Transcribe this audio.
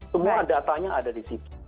semua datanya ada di situ